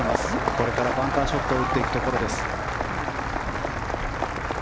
これからバンカーショットを打っていきます。